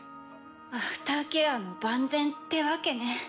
アフターケアも万全ってわけね。